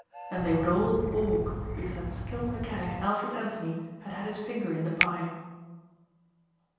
And they would all balk because that skilled mechanic Alfred Anthony had had his finger in the pie.